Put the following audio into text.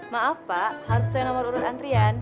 maaf pak harus sesuai nomor urut antrian